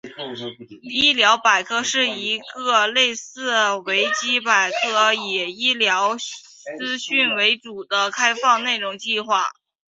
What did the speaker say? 医疗百科是一个类似维基百科以医疗资讯为主的开放内容计划。